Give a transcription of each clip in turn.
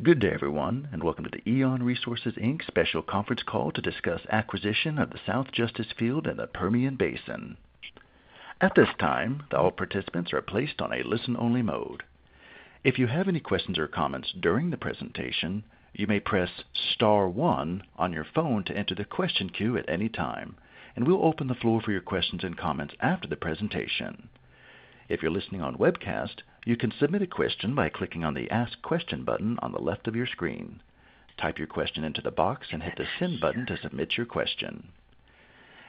Good day, everyone, and welcome to the EON Resources Special Conference Call to discuss acquisition of the South Justice Field and the Permian Basin. At this time, all participants are placed on a listen-only mode. If you have any questions or comments during the presentation, you may press star 1 on your phone to enter the question queue at any time, and we'll open the floor for your questions and comments after the presentation. If you're listening on webcast, you can submit a question by clicking on the Ask Question button on the left of your screen. Type your question into the box and hit the Send button to submit your question.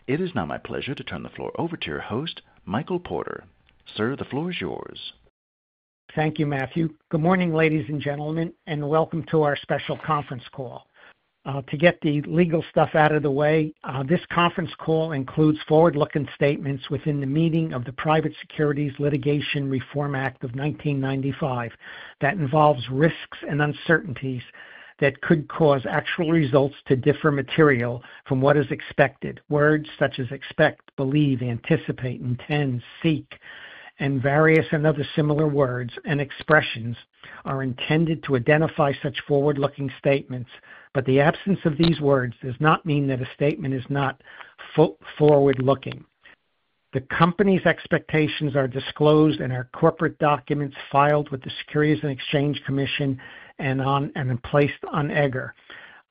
It is now my pleasure to turn the floor over to your host, Michael Porter. Sir, the floor is yours. Thank you, Matthew. Good morning, ladies and gentlemen, and welcome to our special conference call. To get the legal stuff out of the way, this conference call includes forward-looking statements within the meaning of the Private Securities Litigation Reform Act of 1995 that involve risks and uncertainties that could cause actual results to differ materially from what is expected. Words such as expect, believe, anticipate, intend, seek, and various other similar words and expressions are intended to identify such forward-looking statements, but the absence of these words does not mean that a statement is not forward-looking. The company's expectations are disclosed in our corporate documents filed with the Securities and Exchange Commission and placed on EDGAR,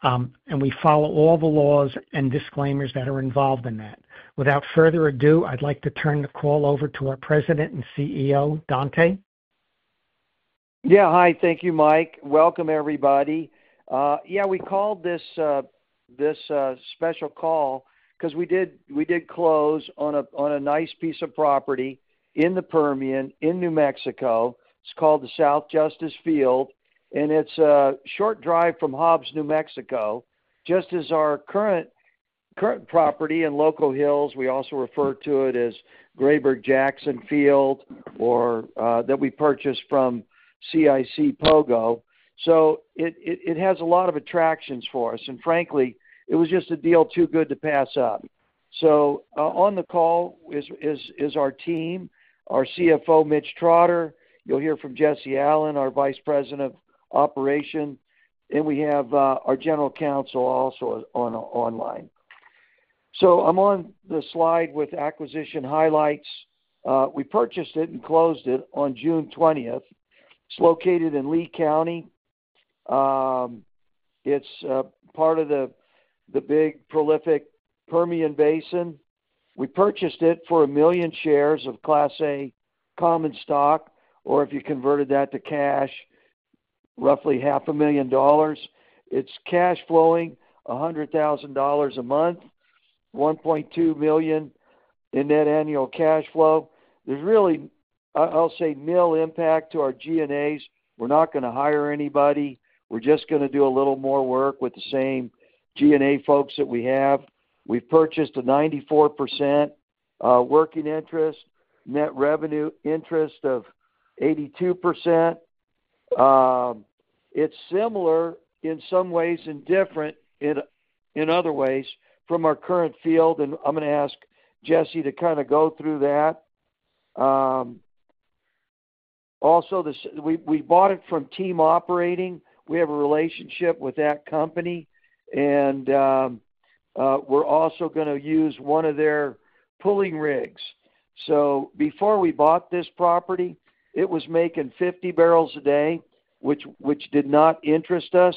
and we follow all the laws and disclaimers that are involved in that. Without further ado, I'd like to turn the call over to our President and CEO, Dante. Yeah. Hi. Thank you, Mike. Welcome, everybody. Yeah, we called this special call because we did close on a nice piece of property in the Permian in New Mexico. It's called the South Justice Field, and it's a short drive from Hobbs, New Mexico. Just as our current property in Loco Hills, we also refer to it as Grayburg-Jackson Field, or that we purchased from Pogo. It has a lot of attractions for us, and frankly, it was just a deal too good to pass up. On the call is our team, our CFO, Mitch Trotter. You'll hear from Jesse Allen, our Vice President of Operations, and we have our general counsel also online. I'm on the slide with acquisition highlights. We purchased it and closed it on June 20. It's located in Lea County. It's part of the big, prolific Permian Basin. We purchased it for a million shares of Class A common stock, or if you converted that to cash, roughly $500,000. It's cash flowing $100,000 a month, $1.2 million in net annual cash flow. There's really, I'll say, nil impact to our G&As. We're not going to hire anybody. We're just going to do a little more work with the same G&A folks that we have. We've purchased a 94% working interest, net revenue interest of 82%. It's similar in some ways and different in other ways from our current field, and I'm going to ask Jesse to kind of go through that. Also, we bought it from Team Operating. We have a relationship with that company, and we're also going to use one of their pulling rigs. Before we bought this property, it was making 50 barrels a day, which did not interest us.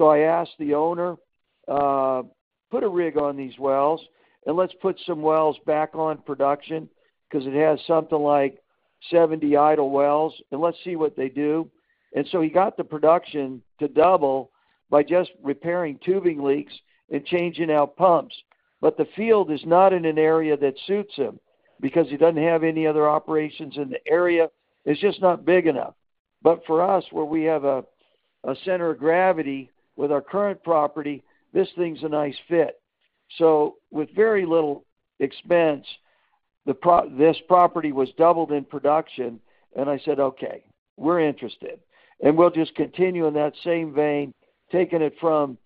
I asked the owner, "Put a rig on these wells, and let's put some wells back on production because it has something like 70 idle wells, and let's see what they do." He got the production to double by just repairing tubing leaks and changing out pumps. The field is not in an area that suits him because he doesn't have any other operations in the area. It's just not big enough. For us, where we have a center of gravity with our current property, this thing's a nice fit. With very little expense, this property was doubled in production, and I said, "Okay, we're interested." We'll just continue in that same vein, taking it from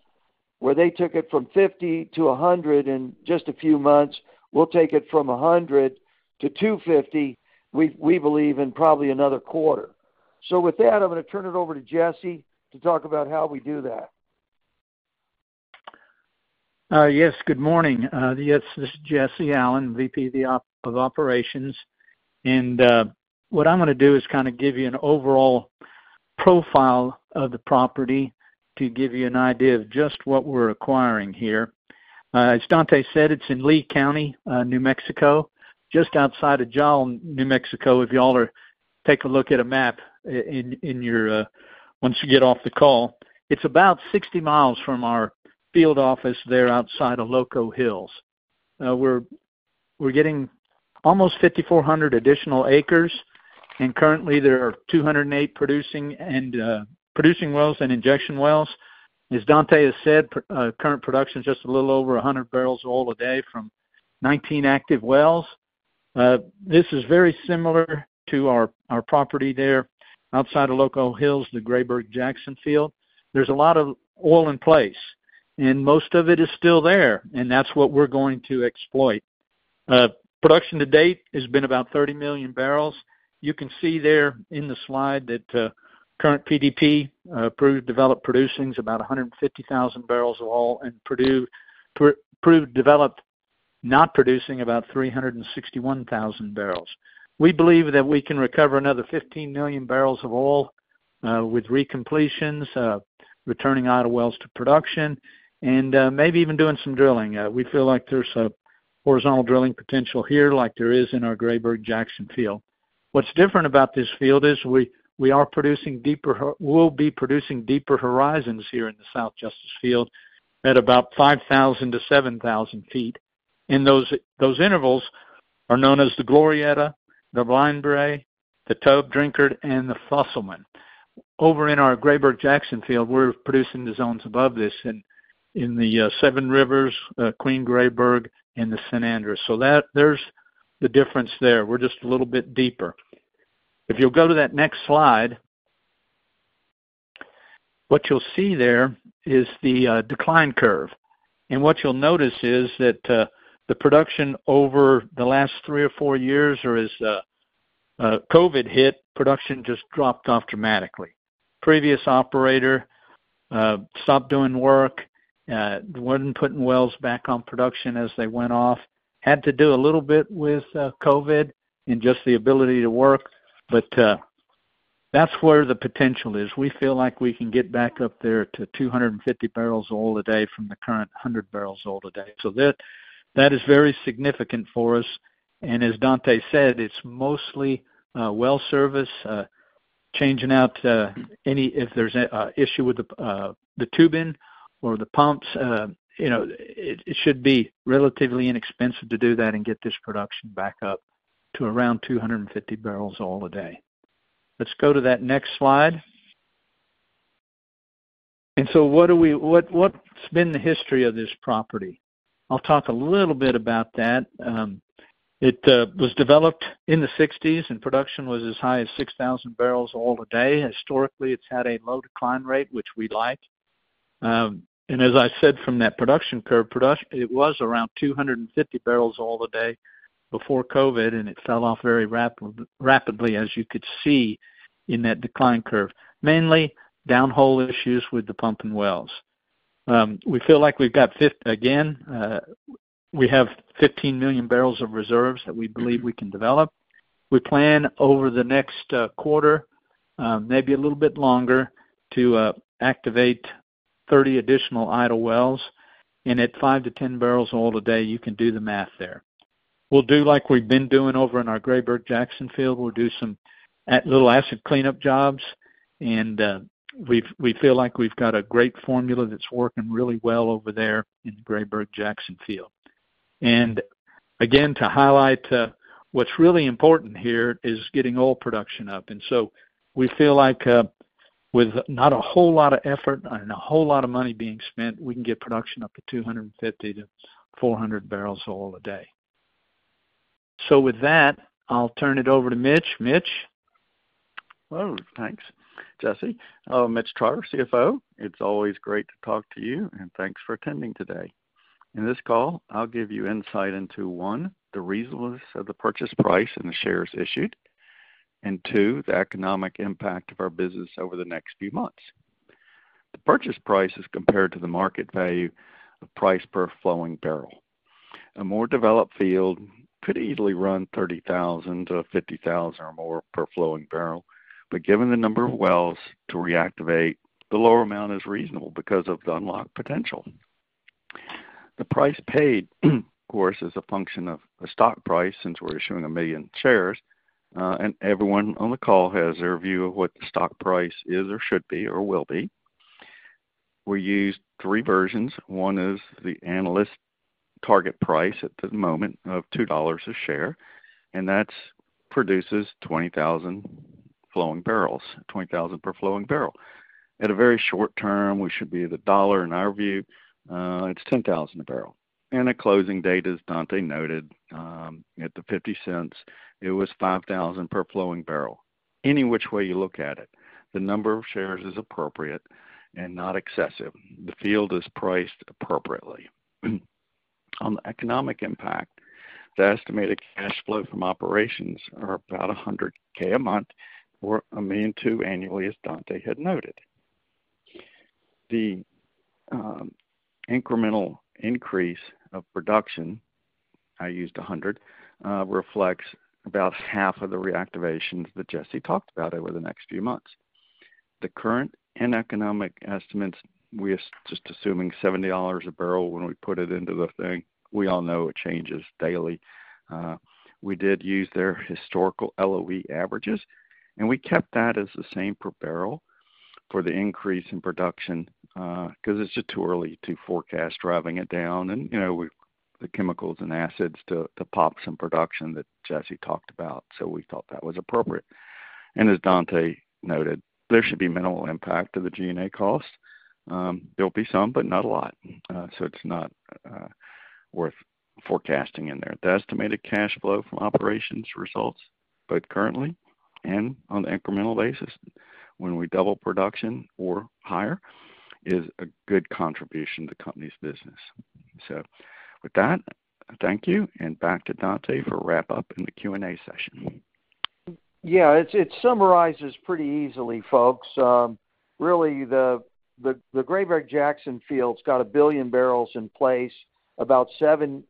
where they took it from 50 - 100 in just a few months. We'll take it from 100 - 250, we believe, in probably another quarter. With that, I'm going to turn it over to Jesse to talk about how we do that. Yes. Good morning. Yes, this is Jesse Allen, VP of Operations. What I'm going to do is kind of give you an overall profile of the property to give you an idea of just what we're acquiring here. As Dante said, it's in Lea County, New Mexico, just outside of Jal, New Mexico. If y'all take a look at a map once you get off the call, it's about 60 mi from our field office there outside of Loco Hills. We're getting almost 5,400 additional acres, and currently, there are 208 producing wells and injection wells. As Dante has said, current production is just a little over 100 barrels a day from 19 active wells. This is very similar to our property there outside of Loco Hills, the Grayburg-Jackson Field. There's a lot of oil in place, and most of it is still there, and that's what we're going to exploit. Production to date has been about 30 million barrels. You can see there in the slide that current PDP, Proved Developed Producing, is about 150,000 barrels of oil, and Proved Developed Not Producing about 361,000 barrels. We believe that we can recover another 15 million barrels of oil with recompletions, returning idle wells to production, and maybe even doing some drilling. We feel like there's a horizontal drilling potential here like there is in our Grayburg-Jackson Field. What's different about this field is we will be producing deeper horizons here in the South Justice Field at about 5,000-7,000 ft. Those intervals are known as the Glorieta, the Blind Brae, the Tubb, Drinkard, and the Fusselman. Over in our Grayburg-Jackson Field, we're producing the zones above this in the Seven Rivers, Queen, Grayburg, and the San Andreas. There is the difference there. We're just a little bit deeper. If you'll go to that next slide, what you'll see there is the decline curve. What you'll notice is that the production over the last three or four years, or as COVID hit, production just dropped off dramatically. Previous operator stopped doing work, was not putting wells back on production as they went off. Had to do a little bit with COVID and just the ability to work, but that's where the potential is. We feel like we can get back up there to 250 barrels oil a day from the current 100 barrels oil a day. That is very significant for us. As Dante said, it's mostly well service, changing out any if there's an issue with the tubing or the pumps. It should be relatively inexpensive to do that and get this production back up to around 250 barrels oil a day. Let's go to that next slide. What's been the history of this property? I'll talk a little bit about that. It was developed in the 1960s, and production was as high as 6,000 barrels oil a day. Historically, it's had a low decline rate, which we like. As I said, from that production curve, it was around 250 barrels oil a day before COVID, and it fell off very rapidly, as you could see in that decline curve, mainly down hole issues with the pumping wells. We feel like we've got, again, we have 15 million barrels of reserves that we believe we can develop. We plan over the next quarter, maybe a little bit longer, to activate 30 additional idle wells. And at 5-10 barrels oil a day, you can do the math there. We'll do like we've been doing over in our Grayburg-Jackson Field. We'll do some little acid cleanup jobs, and we feel like we've got a great formula that's working really well over there in Grayburg-Jackson Field. And again, to highlight what's really important here is getting oil production up. And so we feel like with not a whole lot of effort and a whole lot of money being spent, we can get production up to 250-400 barrels oil a day. So with that, I'll turn it over to Mitch. Mitch. Hello. Thanks, Jesse. Oh, Mitch Trotter, CFO. It's always great to talk to you, and thanks for attending today. In this call, I'll give you insight into, one, the reasonableness of the purchase price and the shares issued, and two, the economic impact of our business over the next few months. The purchase price is compared to the market value of price per flowing barrel. A more developed field could easily run $30,000-$50,000 or more per flowing barrel, but given the number of wells to reactivate, the lower amount is reasonable because of the unlocked potential. The price paid, of course, is a function of the stock price since we're issuing 1 million shares, and everyone on the call has their view of what the stock price is or should be or will be. We use three versions. One is the analyst target price at the moment of $2 a share, and that produces 20,000 flowing barrels, $20,000 per flowing barrel. At a very short term, we should be the dollar, in our view, it's $10,000 a barrel. At a closing date, as Dante noted, at the 50 cents, it was $5,000 per flowing barrel. Any which way you look at it, the number of shares is appropriate and not excessive. The field is priced appropriately. On the economic impact, the estimated cash flow from operations are about $100,000 a month or $1,200,000 annually, as Dante had noted. The incremental increase of production, I used 100, reflects about half of the reactivations that Jesse talked about over the next few months. The current and economic estimates we. Just assuming $70 a barrel when we put it into the thing, we all know it changes daily. We did use their historical LOE averages, and we kept that as the same per barrel for the increase in production because it's just too early to forecast driving it down. The chemicals and acids to pop some production that Jesse talked about, we thought that was appropriate. As Dante noted, there should be minimal impact to the G&A cost. There will be some, but not a lot. It is not worth forecasting in there. The estimated cash flow from operations results, both currently and on the incremental basis, when we double production or higher, is a good contribution to the company's business. Thank you, and back to Dante for wrap up in the Q&A session. Yeah. It summarizes pretty easily, folks. Really, the Grayburg-Jackson Field's got a billion barrels in place. About 7%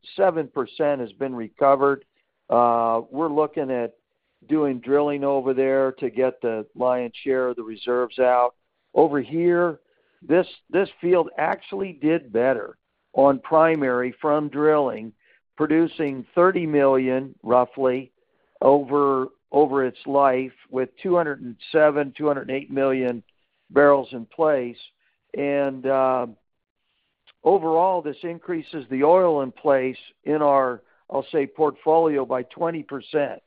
has been recovered. We're looking at doing drilling over there to get the lion's share of the reserves out. Over here, this field actually did better on primary from drilling, producing 30 million, roughly, over its life with 207-208 million barrels in place. Overall, this increases the oil in place in our, I'll say, portfolio by 20%.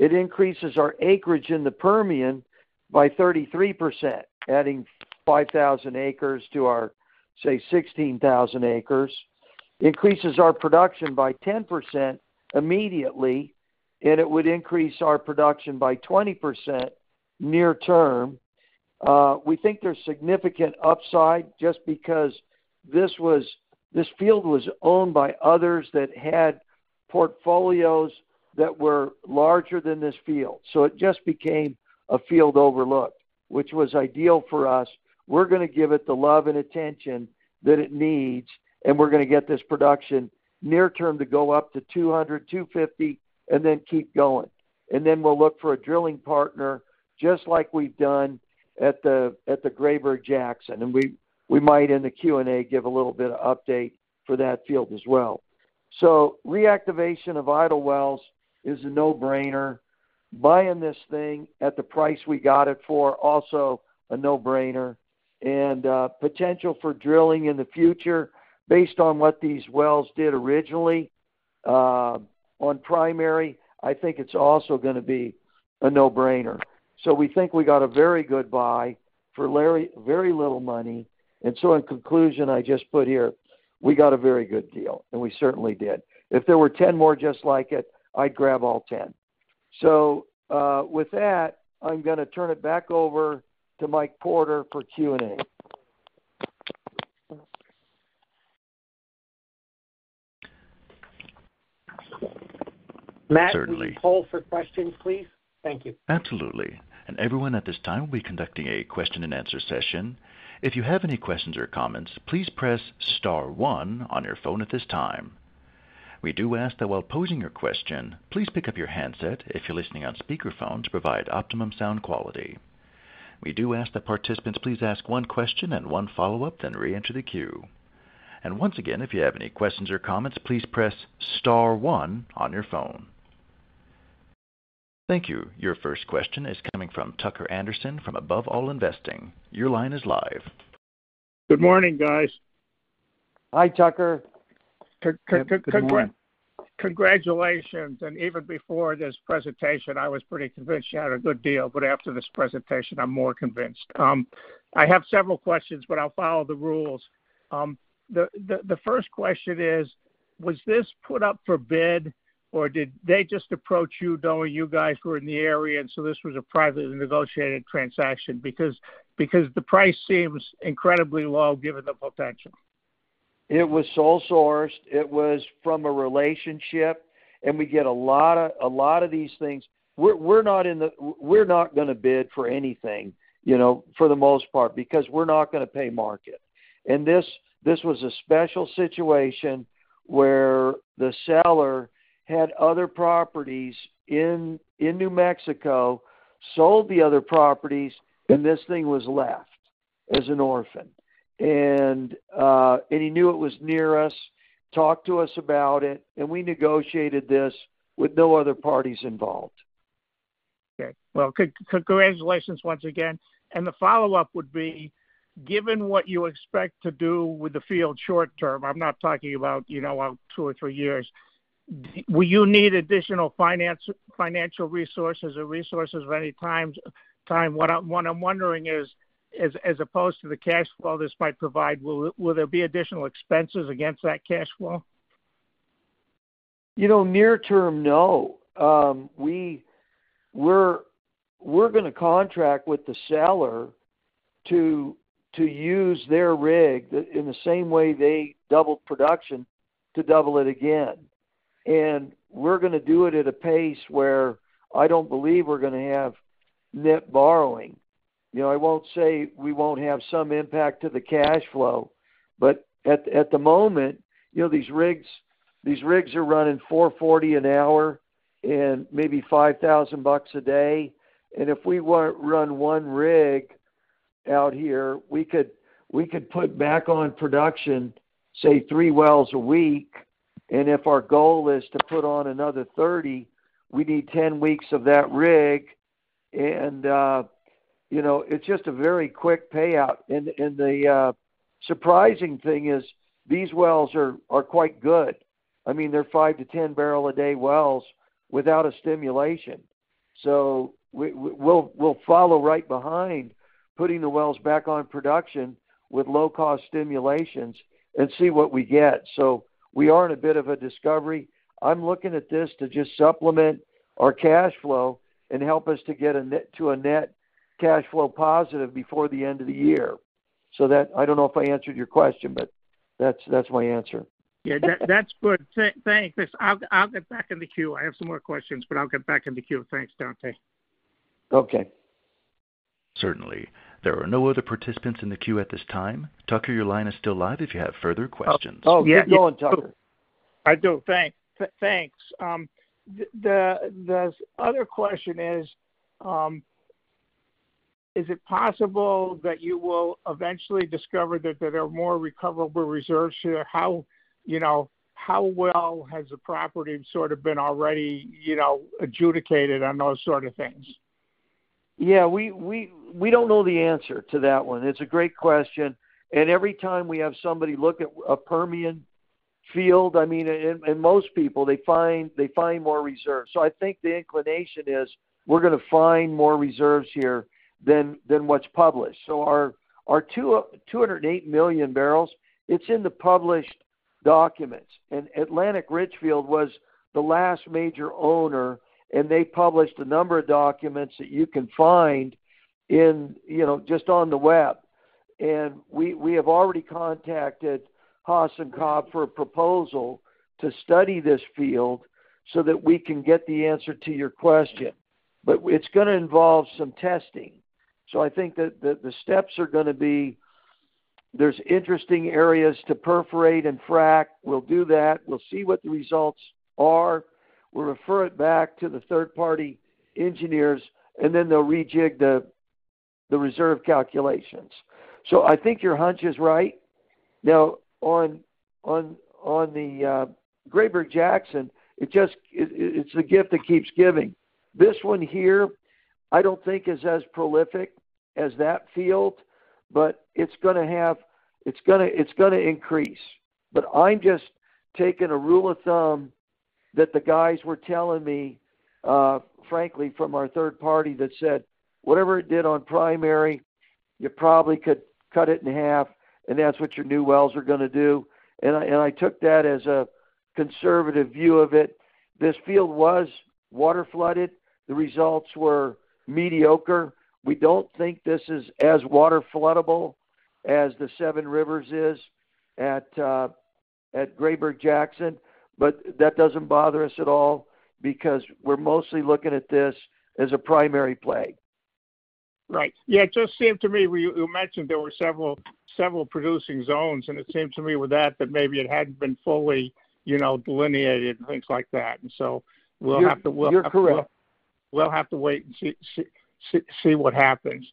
It increases our acreage in the Permian by 33%, adding 5,000 acres to our, say, 16,000 acres. It increases our production by 10% immediately, and it would increase our production by 20% near term. We think there's significant upside just because this field was owned by others that had portfolios that were larger than this field. It just became a field overlooked, which was ideal for us. We're going to give it the love and attention that it needs, and we're going to get this production near term to go up to 200-250, and then keep going. We will look for a drilling partner just like we've done at the Grayburg-Jackson. We might, in the Q&A, give a little bit of update for that field as well. Reactivation of idle wells is a no-brainer. Buying this thing at the price we got it for, also a no-brainer. Potential for drilling in the future, based on what these wells did originally on primary, I think it's also going to be a no-brainer. We think we got a very good buy for very little money. In conclusion, I just put here, we got a very good deal, and we certainly did. If there were 10 more just like it, I'd grab all 10. With that, I'm going to turn it back over to Mike Porter for Q&A. Certainly. Matt, can you hold for questions, please? Thank you. Absolutely. Everyone, at this time we will be conducting a question and answer session. If you have any questions or comments, please press star one on your phone at this time. We do ask that while posing your question, please pick up your handset if you are listening on speakerphone to provide optimum sound quality. We do ask that participants please ask one question and one follow-up, then re-enter the queue. Once again, if you have any questions or comments, please press star one on your phone. Thank you. Your first question is coming from Tucker Andersen from Above All Investing. Your line is live. Good morning, guys. Hi, Tucker. Congratulations. Even before this presentation, I was pretty convinced you had a good deal, but after this presentation, I'm more convinced. I have several questions, but I'll follow the rules. The first question is, was this put up for bid, or did they just approach you knowing you guys were in the area and this was a privately negotiated transaction? Because the price seems incredibly low given the potential. It was sole sourced. It was from a relationship, and we get a lot of these things. We're not going to bid for anything for the most part because we're not going to pay market. This was a special situation where the seller had other properties in New Mexico, sold the other properties, and this thing was left as an orphan. He knew it was near us, talked to us about it, and we negotiated this with no other parties involved. Okay. Congratulations once again. The follow-up would be, given what you expect to do with the field short-term, I'm not talking about two or three years, will you need additional financial resources or resources of any kind? What I'm wondering is, as opposed to the cash flow this might provide, will there be additional expenses against that cash flow? Near term, no. We're going to contract with the seller to use their rig in the same way they doubled production to double it again. We're going to do it at a pace where I don't believe we're going to have net borrowing. I won't say we won't have some impact to the cash flow, but at the moment, these rigs are running $440 an hour and maybe $5,000 a day. If we run one rig out here, we could put back on production, say, three wells a week. If our goal is to put on another 30, we need 10 weeks of that rig. It's just a very quick payout. The surprising thing is these wells are quite good. I mean, they're 5-10 barrel a day wells without a stimulation. We'll follow right behind putting the wells back on production with low-cost stimulations and see what we get. We are in a bit of a discovery. I'm looking at this to just supplement our cash flow and help us to get to a net cash flow positive before the end of the year. I don't know if I answered your question, but that's my answer. Yeah. That's good. Thanks. I'll get back in the queue. I have some more questions, but I'll get back in the queue. Thanks, Dante. Okay. Certainly. There are no other participants in the queue at this time. Tucker, your line is still live if you have further questions. Oh, yeah. Go on, Tucker. I do. Thanks. The other question is, is it possible that you will eventually discover that there are more recoverable reserves here? How well has the property sort of been already adjudicated on those sort of things? Yeah. We don't know the answer to that one. It's a great question. Every time we have somebody look at a Permian field, I mean, most people, they find more reserves. I think the inclination is we're going to find more reserves here than what's published. Our 208 million barrels, it's in the published documents. Atlantic Richfield was the last major owner, and they published a number of documents that you can find just on the web. We have already contacted Haas and Cobb for a proposal to study this field so that we can get the answer to your question. It's going to involve some testing. I think that the steps are going to be there's interesting areas to perforate and frack. We'll do that. We'll see what the results are. We'll refer it back to the third-party engineers, and then they'll rejig the reserve calculations. I think your hunch is right. Now, on the Grayburg-Jackson, it's the gift that keeps giving. This one here, I don't think is as prolific as that field, but it's going to increase. I'm just taking a rule of thumb that the guys were telling me, frankly, from our third party that said, "Whatever it did on primary, you probably could cut it in half, and that's what your new wells are going to do." I took that as a conservative view of it. This field was waterflooded. The results were mediocre. We don't think this is as waterfloodable as the Seven Rivers is at Grayburg-Jackson, but that doesn't bother us at all because we're mostly looking at this as a primary play. Right. Yeah. It just seemed to me you mentioned there were several producing zones, and it seemed to me with that that maybe it hadn't been fully delineated and things like that. We'll have to. Yeah. You're correct. We'll have to wait and see what happens.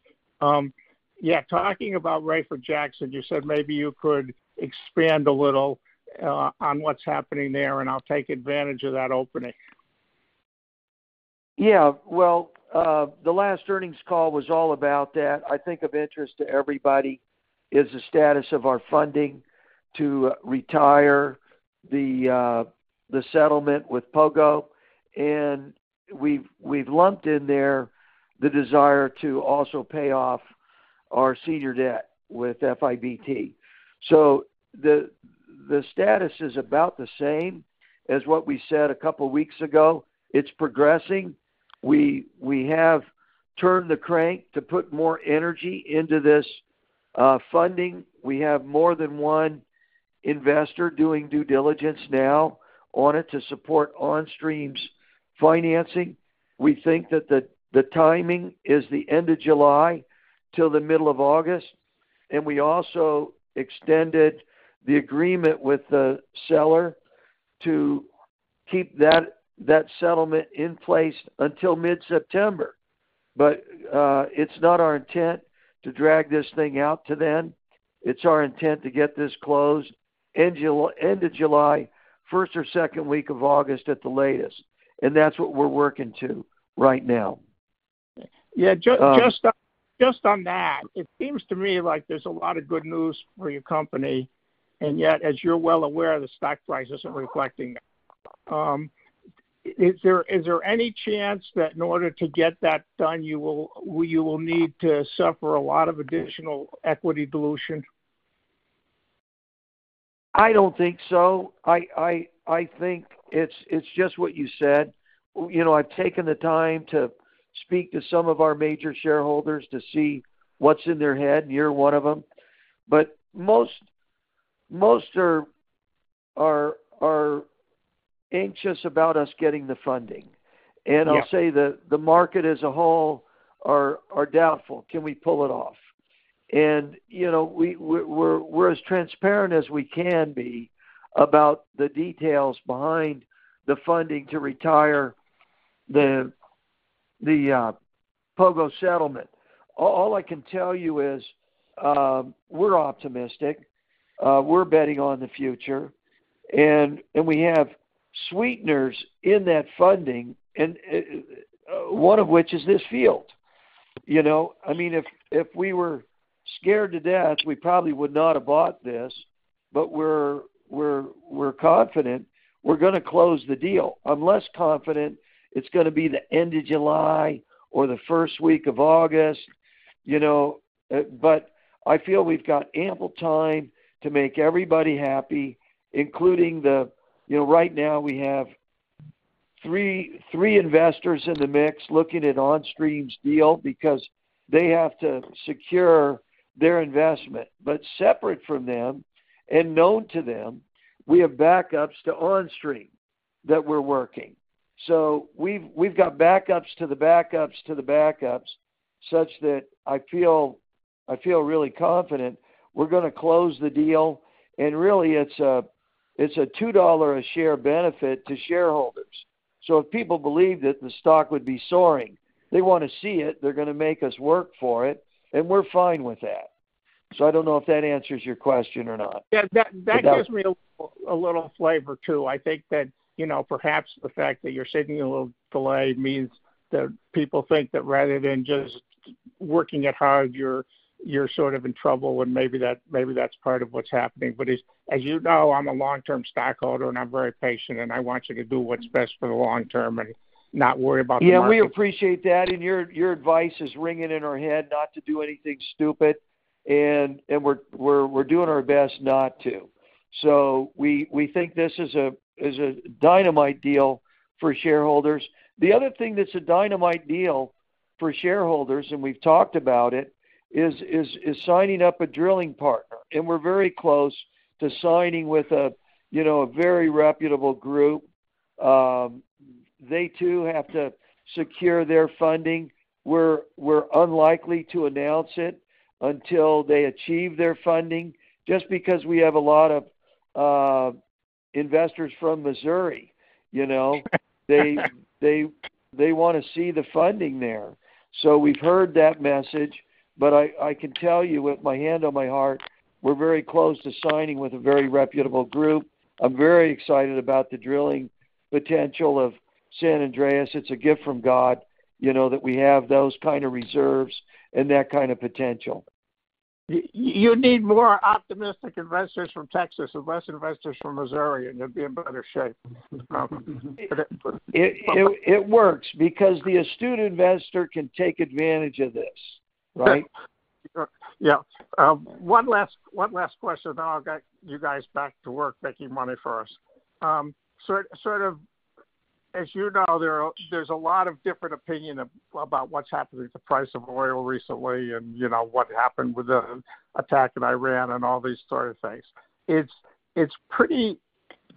Yeah. Talking about Grayburg-Jackson, you said maybe you could expand a little on what's happening there, and I'll take advantage of that opening. Yeah. The last earnings call was all about that. I think of interest to everybody is the status of our funding to retire the settlement with Pogo. We have lumped in there the desire to also pay off our senior debt with FIBT. The status is about the same as what we said a couple of weeks ago. It is progressing. We have turned the crank to put more energy into this funding. We have more than one investor doing due diligence now on it to support on-s financing. We think that the timing is the end of July till the middle of August. We also extended the agreement with the seller to keep that settlement in place until mid-September. It is not our intent to drag this thing out to then. It's our intent to get this closed end of July, first or second week of August at the latest. That's what we're working to right now. Yeah. Just on that, it seems to me like there's a lot of good news for your company. Yet, as you're well aware, the stock price isn't reflecting that. Is there any chance that in order to get that done, you will need to suffer a lot of additional equity dilution? I don't think so. I think it's just what you said. I've taken the time to speak to some of our major shareholders to see what's in their head, and you're one of them. Most are anxious about us getting the funding. I'll say the market as a whole are doubtful. Can we pull it off? We're as transparent as we can be about the details behind the funding to retire the Pogo settlement. All I can tell you is we're optimistic. We're betting on the future. We have sweeteners in that funding, one of which is this field. I mean, if we were scared to death, we probably would not have bought this. We're confident we're going to close the deal. I'm less confident it's going to be the end of July or the first week of August. I feel we've got ample time to make everybody happy, including right now, we have three investors in the mix looking at On-'s deal because they have to secure their investment. Separate from them and unknown to them, we have backups to On- that we're working. We've got backups to the backups to the backups such that I feel really confident we're going to close the deal. Really, it's a $2 a share benefit to shareholders. If people believe that the stock would be soaring, they want to see it. They're going to make us work for it. We're fine with that. I don't know if that answers your question or not. Yeah. That gives me a little flavor too. I think that perhaps the fact that you're sitting in a little delay means that people think that rather than just working it hard, you're sort of in trouble, and maybe that's part of what's happening. As you know, I'm a long-term stockholder, and I'm very patient, and I want you to do what's best for the long term and not worry about the market. Yeah. We appreciate that. Your advice is ringing in our head not to do anything stupid. We're doing our best not to. We think this is a dynamite deal for shareholders. The other thing that's a dynamite deal for shareholders, and we've talked about it, is signing up a drilling partner. We're very close to signing with a very reputable group. They too have to secure their funding. We're unlikely to announce it until they achieve their funding just because we have a lot of investors from Missouri. They want to see the funding there. We've heard that message. I can tell you with my hand on my heart, we're very close to signing with a very reputable group. I'm very excited about the drilling potential of San Andreas. It's a gift from God that we have those kind of reserves and that kind of potential. You need more optimistic investors from Texas and less investors from Missouri, and you'll be in better shape. It works because the astute investor can take advantage of this, right? Yeah. One last question. Then I'll get you guys back to work making money. First, sort of, as you know, there's a lot of different opinion about what's happened with the price of oil recently and what happened with the attack in Iran and all these sort of things. It's pretty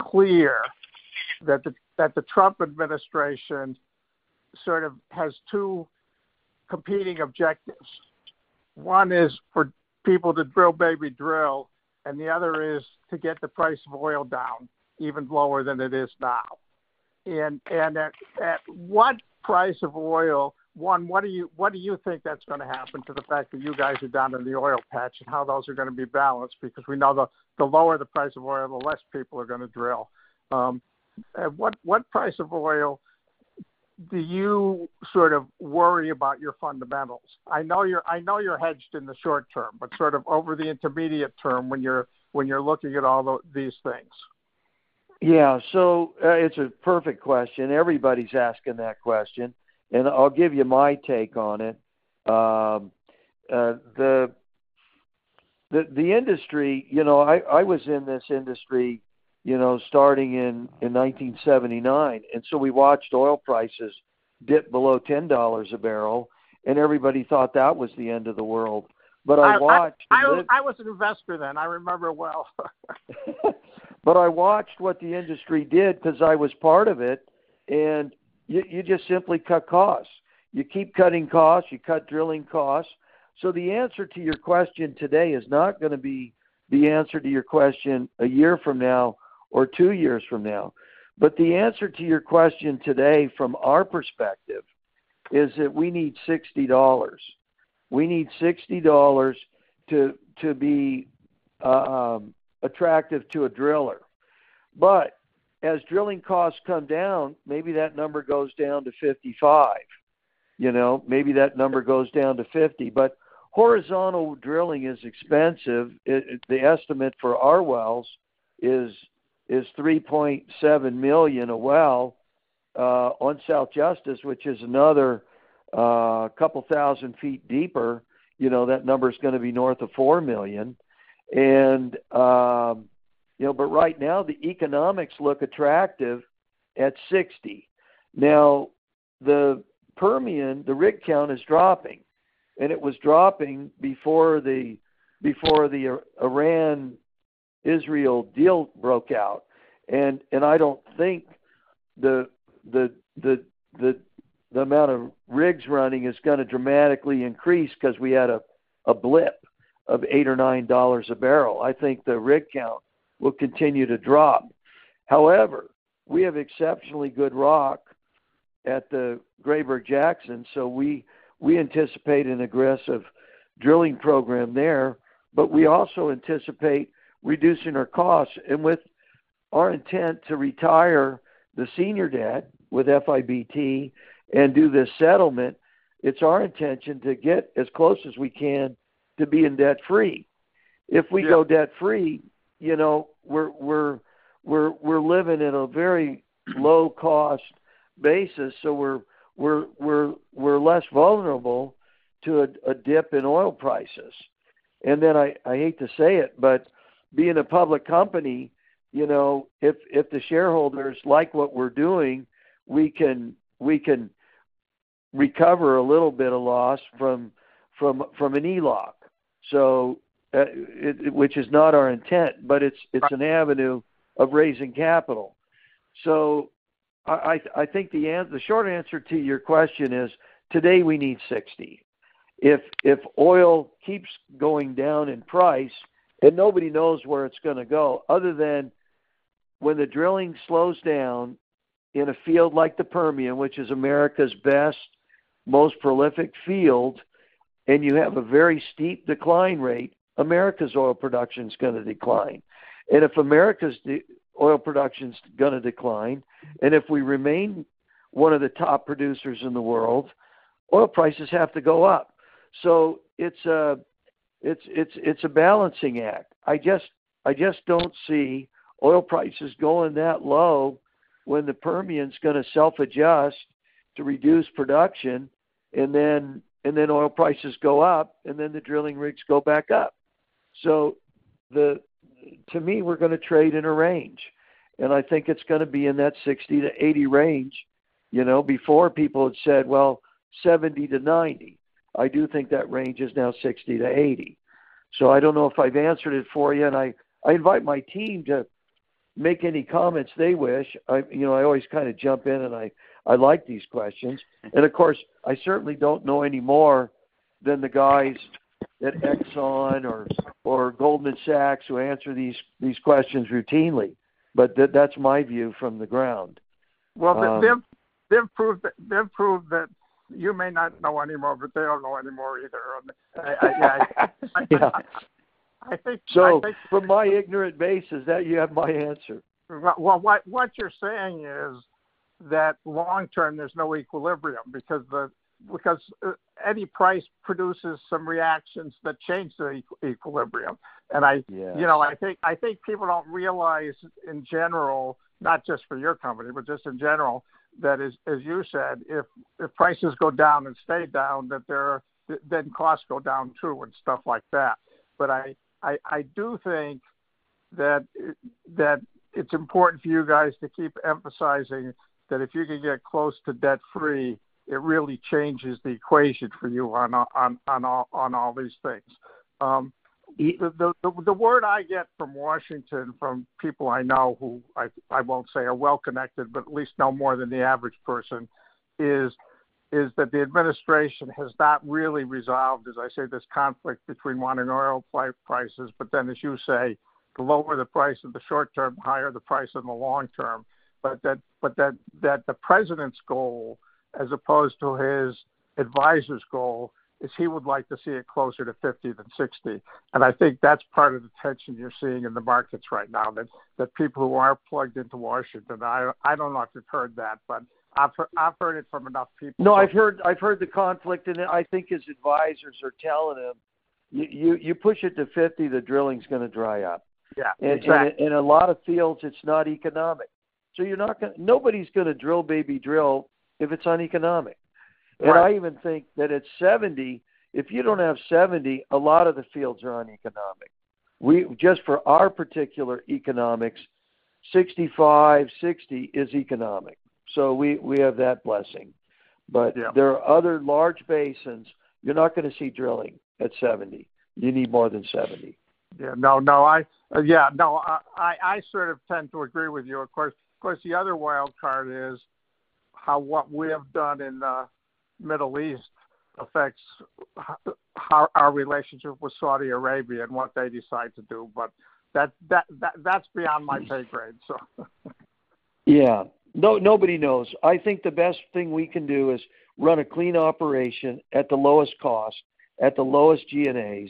clear that the Trump administration sort of has two competing objectives. One is for people to drill, baby, drill, and the other is to get the price of oil down even lower than it is now. At what price of oil, one, what do you think that's going to happen to the fact that you guys are down in the oil patch and how those are going to be balanced? Because we know the lower the price of oil, the less people are going to drill. At what price of oil do you sort of worry about your fundamentals? I know you're hedged in the short term, but sort of over the intermediate term when you're looking at all these things? Yeah. It's a perfect question. Everybody's asking that question. I'll give you my take on it. The industry, I was in this industry starting in 1979. We watched oil prices dip below $10 a barrel, and everybody thought that was the end of the world. I watched. I was an investor then. I remember well. I watched what the industry did because I was part of it. You just simply cut costs. You keep cutting costs. You cut drilling costs. The answer to your question today is not going to be the answer to your question a year from now or two years from now. The answer to your question today from our perspective is that we need $60. We need $60 to be attractive to a driller. As drilling costs come down, maybe that number goes down to $55. Maybe that number goes down to $50. Horizontal drilling is expensive. The estimate for our wells is $3.7 million a well on South Justice, which is another couple thousand feet deeper. That number is going to be north of $4 million. Right now, the economics look attractive at $60. The Permian, the rig count is dropping. It was dropping before the Iran-Israel deal broke out. I do not think the amount of rigs running is going to dramatically increase because we had a blip of $8 or $9 a barrel. I think the rig count will continue to drop. However, we have exceptionally good rock at the Grayburg-Jackson, so we anticipate an aggressive drilling program there. We also anticipate reducing our costs. With our intent to retire the senior debt with FIBT and do this settlement, it is our intention to get as close as we can to being debt-free. If we go debt-free, we are living at a very low-cost basis, so we are less vulnerable to a dip in oil prices. I hate to say it, but being a public company, if the shareholders like what we're doing, we can recover a little bit of loss from an ELOC, which is not our intent, but it's an avenue of raising capital. I think the short answer to your question is today we need $60. If oil keeps going down in price and nobody knows where it's going to go other than when the drilling slows down in a field like the Permian, which is America's best, most prolific field, and you have a very steep decline rate, America's oil production is going to decline. If America's oil production is going to decline, and if we remain one of the top producers in the world, oil prices have to go up. It's a balancing act. I just don't see oil prices going that low when the Permian is going to self-adjust to reduce production, and then oil prices go up, and then the drilling rigs go back up. To me, we're going to trade in a range. I think it's going to be in that $60-$80 range before people had said, "Well, $70-$90." I do think that range is now $60-$80. I don't know if I've answered it for you. I invite my team to make any comments they wish. I always kind of jump in, and I like these questions. Of course, I certainly don't know any more than the guys at Exxon or Goldman Sachs who answer these questions routinely. That's my view from the ground. They've proved that you may not know any more, but they don't know any more either. I think. From my ignorant basis, you have my answer. What you're saying is that long term, there's no equilibrium because any price produces some reactions that change the equilibrium. I think people don't realize in general, not just for your company, but just in general, that as you said, if prices go down and stay down, then costs go down too and stuff like that. I do think that it's important for you guys to keep emphasizing that if you can get close to debt-free, it really changes the equation for you on all these things. The word I get from Washington, from people I know who I won't say are well connected, but at least know more than the average person, is that the administration has not really resolved, as I say, this conflict between wanting oil prices. As you say, the lower the price in the short term, the higher the price in the long term. That the president's goal, as opposed to his advisor's goal, is he would like to see it closer to $50 than $60. I think that's part of the tension you're seeing in the markets right now, that people who are plugged into Washington. I don't know if you've heard that, but I've heard it from enough people. No, I've heard the conflict. I think his advisors are telling him, "You push it to 50, the drilling's going to dry up. Yeah. In fact. In a lot of fields, it's not economic. You're not going to, nobody's going to drill, baby, drill if it's uneconomic. I even think that at $70, if you don't have $70, a lot of the fields are uneconomic. Just for our particular economics, $65, $60 is economic. We have that blessing. There are other large basins. You're not going to see drilling at $70. You need more than $70. Yeah. No, no. Yeah. No, I sort of tend to agree with you. Of course, the other wildcard is how what we have done in the Middle East affects our relationship with Saudi Arabia and what they decide to do. That is beyond my pay grade, so. Yeah. Nobody knows. I think the best thing we can do is run a clean operation at the lowest cost, at the lowest G&A,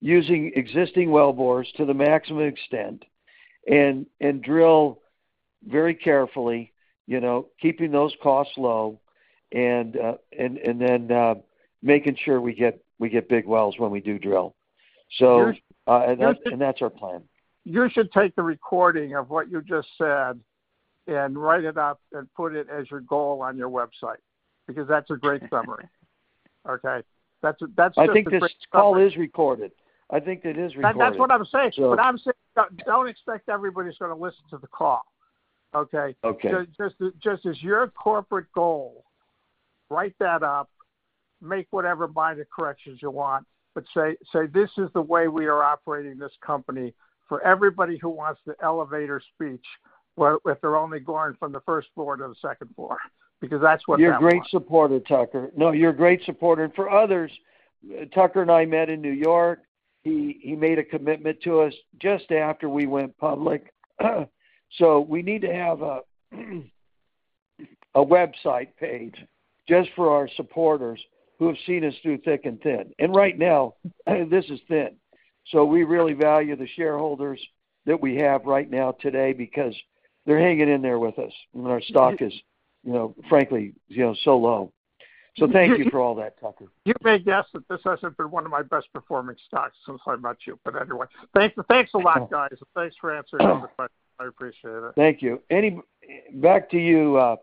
using existing well bores to the maximum extent and drill very carefully, keeping those costs low, making sure we get big wells when we do drill. That's our plan. You should take the recording of what you just said and write it up and put it as your goal on your website because that's a great summary. Okay? That's the. I think this call is recorded. That's what I'm saying. I'm saying don't expect everybody's going to listen to the call, okay? Just as your corporate goal, write that up, make whatever minor corrections you want, but say, "This is the way we are operating this company for everybody who wants the elevator speech if they're only going from the first floor to the second floor," because that's what happens. You're a great supporter, Tucker. No, you're a great supporter. For others, Tucker and I met in New York. He made a commitment to us just after we went public. We need to have a website page just for our supporters who have seen us through thick and thin. Right now, this is thin. We really value the shareholders that we have right now today because they're hanging in there with us when our stock is, frankly, so low. Thank you for all that, Tucker. You may guess that this hasn't been one of my best-performing stocks since I met you. Anyway, thanks a lot, guys. Thanks for answering all the questions. I appreciate it. Thank you. Back to you,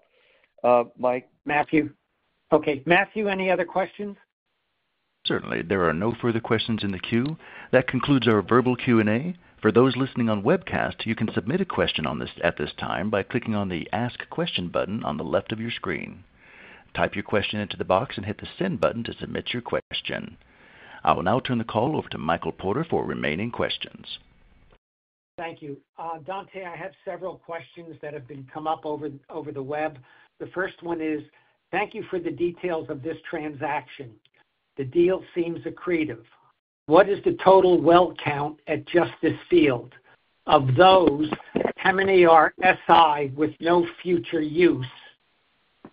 Mike. Matthew. Okay. Matthew, any other questions? Certainly, there are no further questions in the queue. That concludes our verbal Q&A. For those listening on webcast, you can submit a question at this time by clicking on the Ask Question button on the left of your screen. Type your question into the box and hit the Send button to submit your question. I will now turn the call over to Michael Porter for remaining questions. Thank you. Dante, I have several questions that have come up over the web. The first one is, thank you for the details of this transaction. The deal seems accretive. What is the total well count at Justice Field? Of those, how many are SI with no future use?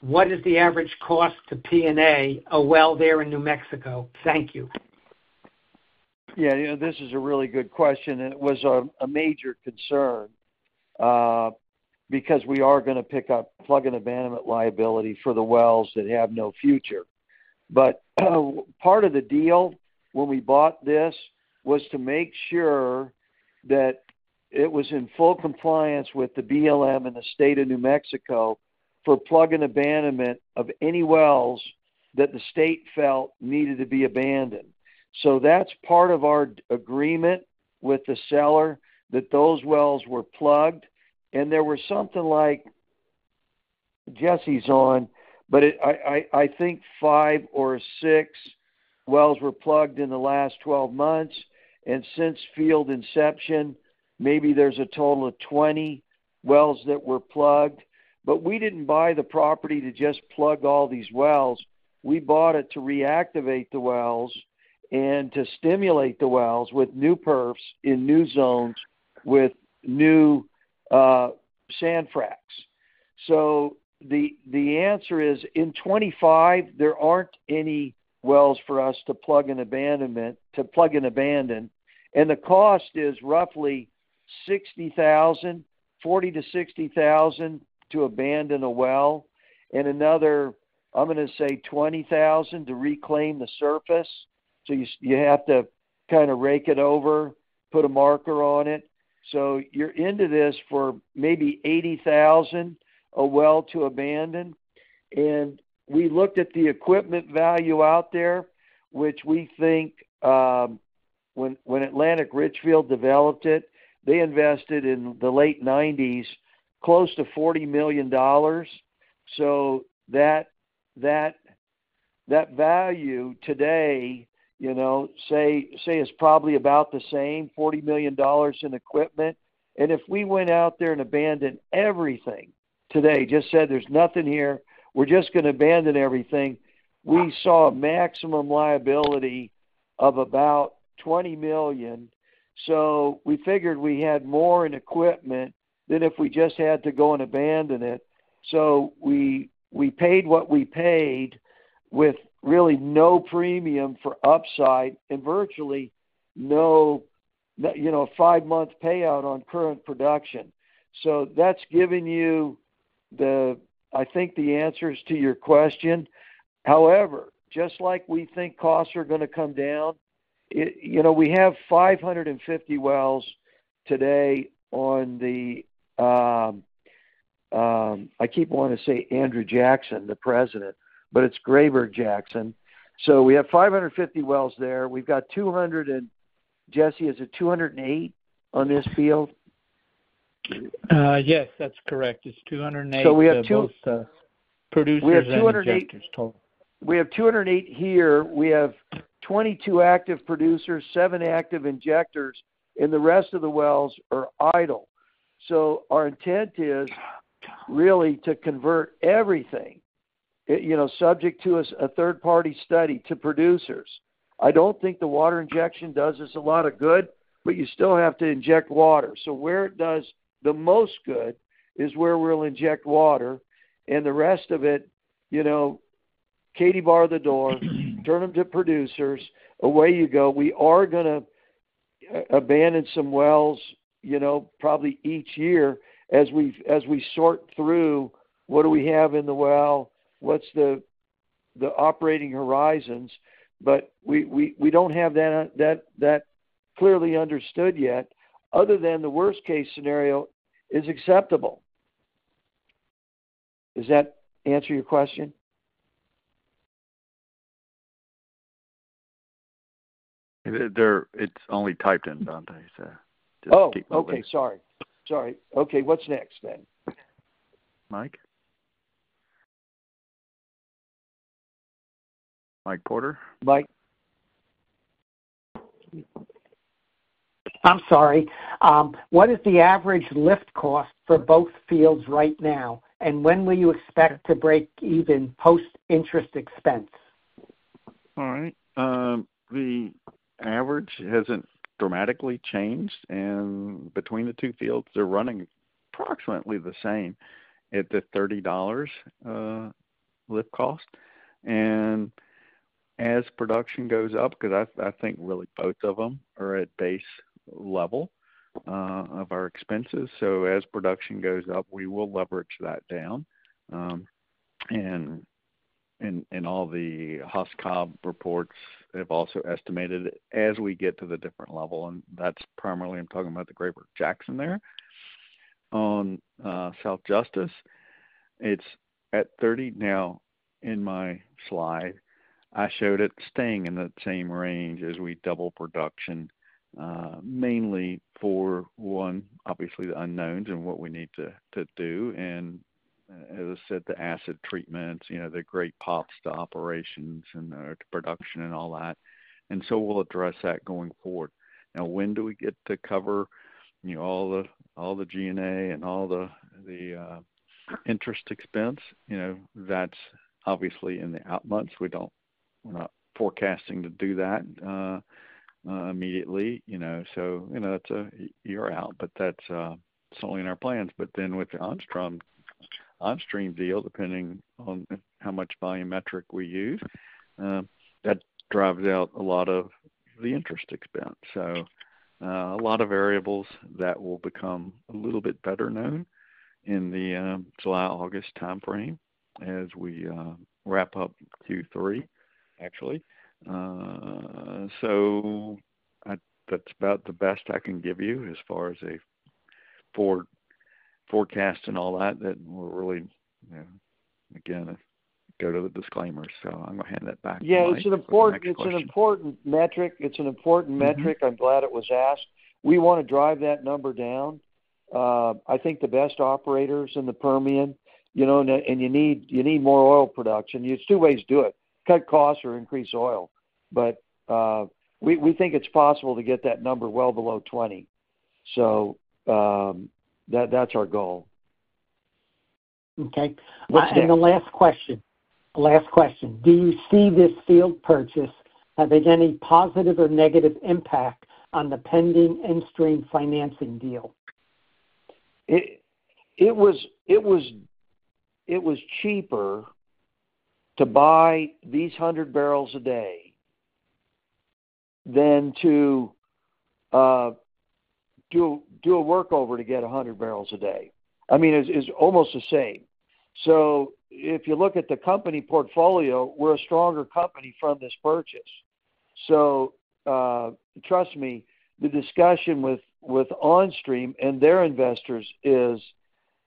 What is the average cost to P&A a well there in New Mexico? Thank you. Yeah. This is a really good question. It was a major concern because we are going to pick up plug and abandonment liability for the wells that have no future. Part of the deal when we bought this was to make sure that it was in full compliance with the BLM and the state of New Mexico for plug and abandonment of any wells that the state felt needed to be abandoned. That is part of our agreement with the seller that those wells were plugged. There were something like, Jesse is on, but I think five or six wells were plugged in the last 12 months. Since field inception, maybe there is a total of 20 wells that were plugged. We did not buy the property to just plug all these wells. We bought it to reactivate the wells and to stimulate the wells with new perfs in new zones with new sand fracks. The answer is in 2025, there are not any wells for us to plug and abandon. The cost is roughly $40,000-$60,000 to abandon a well, and another, I am going to say, $20,000 to reclaim the surface. You have to kind of rake it over, put a marker on it. You are into this for maybe $80,000 a well to abandon. We looked at the equipment value out there, which we think when Atlantic Richfield developed it, they invested in the late 1990s close to $40 million. That value today, say, is probably about the same, $40 million in equipment. If we went out there and abandoned everything today, just said, "There is nothing here. We're just going to abandon everything," we saw a maximum liability of about $20 million. So we figured we had more in equipment than if we just had to go and abandon it. So we paid what we paid with really no premium for upside and virtually no five-month payout on current production. That's giving you, I think, the answers to your question. However, just like we think costs are going to come down, we have 550 wells today on the—I keep wanting to say Andrew Jackson, the president, but it's Grayburg-Jackson. We have 550 wells there. We've got 200, and Jesse has a 208 on this field. Yes, that's correct. It's 208. We have two producers and injectors total. We have 208 here. We have 22 active producers, 7 active injectors, and the rest of the wells are idle. Our intent is really to convert everything, subject to a third-party study, to producers. I do not think the water injection does us a lot of good, but you still have to inject water. Where it does the most good is where we will inject water. The rest of it, Katie bar the door, turn them to producers. Away you go. We are going to abandon some wells probably each year as we sort through what do we have in the well, what are the operating horizons. We do not have that clearly understood yet. Other than the worst-case scenario is acceptable. Does that answer your question? It's only typed in, Dante. Just keep moving. Oh, okay. Sorry. Sorry. Okay. What's next then? Mike? Mike Porter? Mike. I'm sorry. What is the average lift cost for both fields right now? When will you expect to break even post-interest expense? All right. The average hasn't dramatically changed. Between the two fields, they're running approximately the same at the $30 lift cost. As production goes up, because I think really both of them are at base level of our expenses, as production goes up, we will leverage that down. All the Haas and Cobb reports have also estimated as we get to the different level. That's primarily, I'm talking about the Grayburg-Jackson there on South Justice. It's at $30 now. In my slide, I showed it staying in that same range as we double production, mainly for one, obviously, the unknowns and what we need to do. As I said, the acid treatments, the great pops to operations and production and all that. We will address that going forward. Now, when do we get to cover all the G&A and all the interest expense? That's obviously in the out months. We're not forecasting to do that immediately. You're out, but that's certainly in our plans. With the on- deal, depending on how much volumetric we use, that drives out a lot of the interest expense. A lot of variables will become a little bit better known in the July-August timeframe as we wrap up Q3, actually. That's about the best I can give you as far as a forecast and all that. We're really, again, go to the disclaimers. I'm going to hand that back to you. Yeah. It's an important metric. It's an important metric. I'm glad it was asked. We want to drive that number down. I think the best operators in the Permian, and you need more oil production. There's two ways to do it: cut costs or increase oil. We think it's possible to get that number well below 20. That's our goal. Okay. The last question. Last question. Do you see this field purchase having any positive or negative impact on the pending in- financing deal? It was cheaper to buy these 100 barrels a day than to do a workover to get 100 barrels a day. I mean, it's almost the same. If you look at the company portfolio, we're a stronger company from this purchase. Trust me, the discussion with on- and their investors is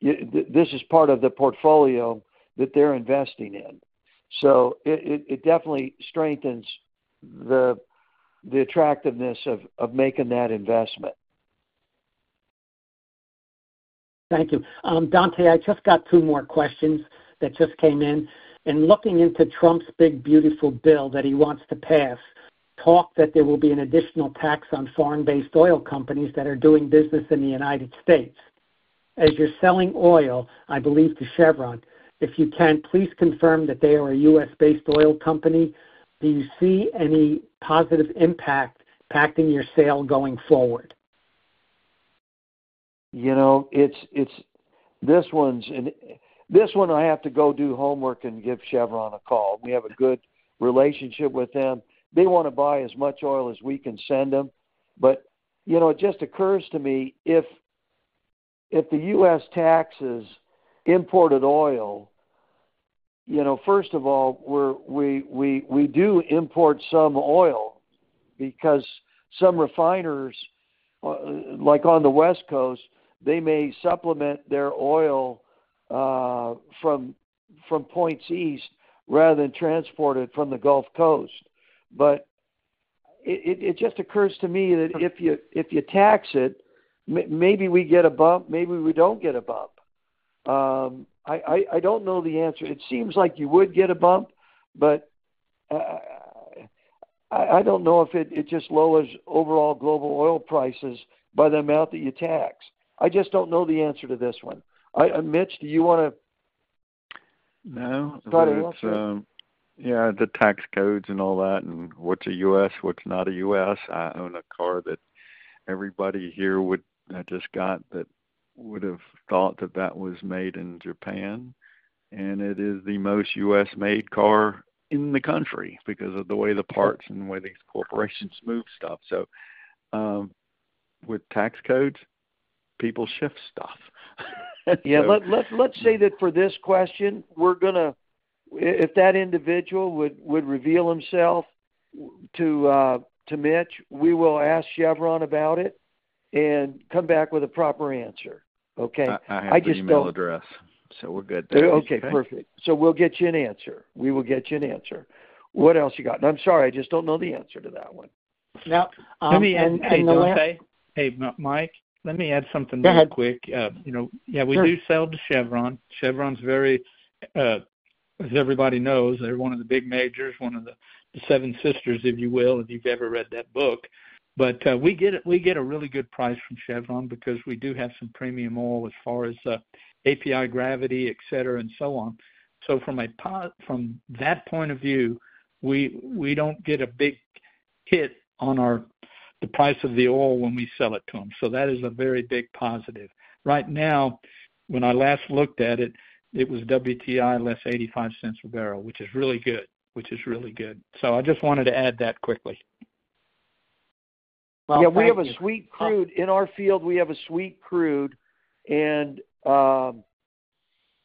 this is part of the portfolio that they're investing in. It definitely strengthens the attractiveness of making that investment. Thank you. Dante, I just got two more questions that just came in. Looking into Trump's big, beautiful bill that he wants to pass, there is talk that there will be an additional tax on foreign-based oil companies that are doing business in the United States. As you're selling oil, I believe, to Chevron, if you can, please confirm that they are a U.S.-based oil company. Do you see any positive impact impacting your sale going forward? This one, I have to go do homework and give Chevron a call. We have a good relationship with them. They want to buy as much oil as we can send them. It just occurs to me if the U.S. taxes imported oil, first of all, we do import some oil because some refiners, like on the West Coast, they may supplement their oil from Point East rather than transport it from the Gulf Coast. It just occurs to me that if you tax it, maybe we get a bump, maybe we do not get a bump. I do not know the answer. It seems like you would get a bump, but I do not know if it just lowers overall global oil prices by the amount that you tax. I just do not know the answer to this one. Mitch, do you want to try to answer? Yeah. The tax codes and all that and what's a U.S., what's not a U.S. I own a car that everybody here would have thought that that was made in Japan. And it is the most U.S.-made car in the country because of the way the parts and the way these corporations move stuff. With tax codes, people shift stuff. Yeah. Let's say that for this question, if that individual would reveal himself to Mitch, we will ask Chevron about it and come back with a proper answer. Okay? I just don't. I have an email address. So we're good. Okay. Perfect. We'll get you an answer. We will get you an answer. What else you got? I'm sorry, I just don't know the answer to that one. Let me add something to say. Hey, Mike, let me add something real quick. Yeah. We do sell to Chevron. Chevron's very, as everybody knows, they're one of the big majors, one of the seven sisters, if you will, if you've ever read that book. We get a really good price from Chevron because we do have some premium oil as far as API gravity, et cetera, and so on. From that point of view, we don't get a big hit on the price of the oil when we sell it to them. That is a very big positive. Right now, when I last looked at it, it was WTI less $0.85 a barrel, which is really good, which is really good. I just wanted to add that quickly. Yeah. We have a sweet crude. In our field, we have a sweet crude. Others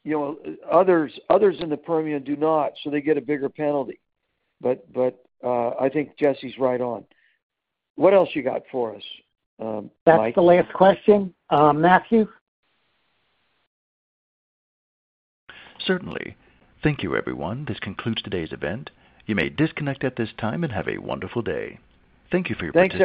in the Permian do not, so they get a bigger penalty. I think Jesse's right on. What else you got for us? That's the last question. Matthew? Certainly. Thank you, everyone. This concludes today's event. You may disconnect at this time and have a wonderful day. Thank you for your participation.